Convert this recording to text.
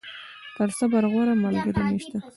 تر صبر، غوره ملګری نشته.